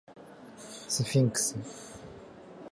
スフィンクス